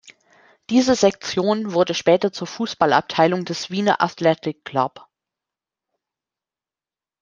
Diese Sektion wurde später zur Fußballabteilung des "Wiener Athletic Club".